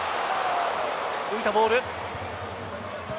浮いたボール。